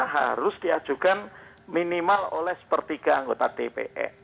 harus diajukan minimal oleh sepertiga anggota dpr